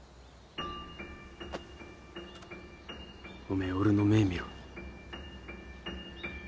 おめえ俺の目ぇ見ろ。